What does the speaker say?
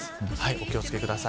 お気を付けください。